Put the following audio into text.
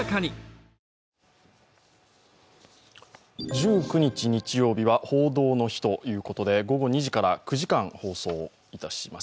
１９日日曜日は「報道の日」ということで午後２時から９時間放送いたします。